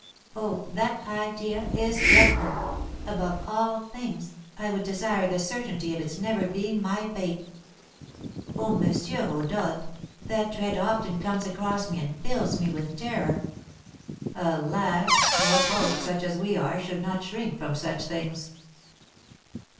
Oh, that idea is dreadful! Above all things, I would desire the certainty of its never being my fate. Oh, M. Rodolph, that dread often comes across me and fills me with terror." "Alas! poor folks, such as we are, should not shrink from such things."